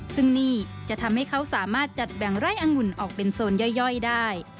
ซึ่งนี่จะทำให้เขาสามารถจัดแบ่งไร่อังุ่นออกเป็นโซนย่อยได้